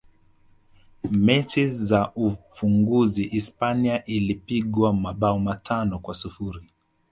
mechi za ufunguzi hispania ilipigwa mabao matano kwa sifuri